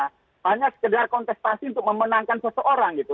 hanya sekedar kontestasi untuk memenangkan seseorang gitu